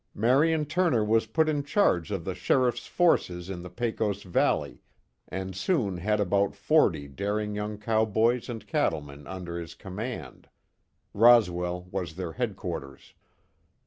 Marion Turner was put in charge of the Sheriff's forces in the Pecos valley, and soon had about forty daring cowboys and cattlemen under his command. Roswell was their headquarters.